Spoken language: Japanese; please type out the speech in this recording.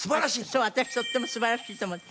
そう私とっても素晴らしいと思って。